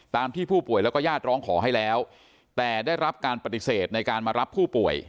ที่ผู้ป่วยแล้วก็ญาติร้องขอให้แล้วแต่ได้รับการปฏิเสธในการมารับผู้ป่วย